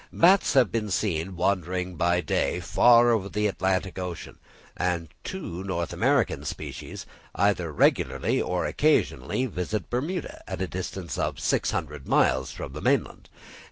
Bats have been seen wandering by day far over the Atlantic Ocean; and two North American species, either regularly or occasionally, visit Bermuda, at the distance of 600 miles from the mainland.